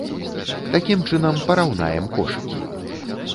Такім чынам, параўнаем кошыкі.